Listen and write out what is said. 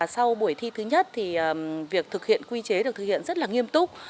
sau buổi thi thứ nhất thì việc thực hiện quy chế được thực hiện rất là nghiêm túc